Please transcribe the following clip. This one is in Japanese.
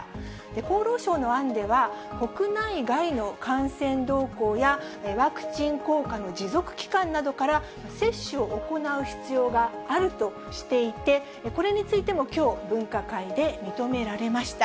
厚労省の案では、国内外の感染動向や、ワクチン効果の持続期間などから、接種を行う必要があるとしていて、これについてもきょう、分科会で認められました。